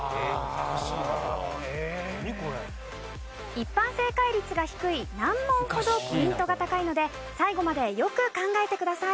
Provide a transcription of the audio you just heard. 一般正解率が低い難問ほどポイントが高いので最後までよく考えてください。